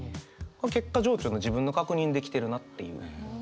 結果情緒の自分の確認できてるなっていう。